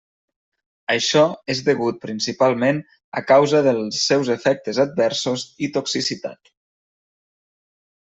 Això és degut principalment a causa dels seus efectes adversos i toxicitats.